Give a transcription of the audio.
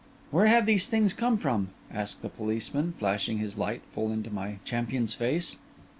'Where have these things come from?' asked the policeman, flashing his light full into my champion's face.